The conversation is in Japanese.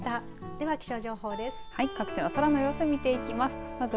では気象情報です。